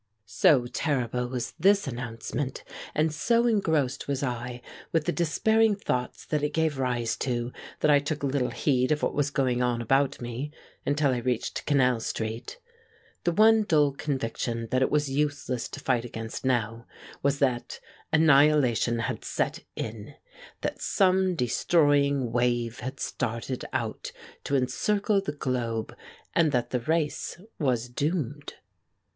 So terrible was this announcement, and so engrossed was I with the despairing thoughts that it gave rise to, that I took little heed of what was going on about me until I reached Canal Street. The one dull conviction that it was useless to fight against now was that annihilation had set in; that some destroying wave had started out to encircle the globe and that the race was doomed.